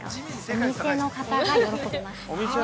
◆お店の方が喜びます。